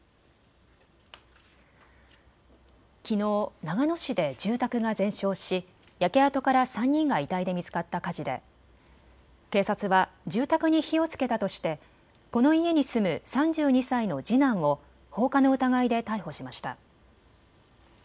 きのう長野市で住宅が全焼し焼け跡から３人が遺体で見つかった火事で警察は住宅に火をつけたとしてこの家に住む３２歳の次男を放火の疑いで逮捕しました。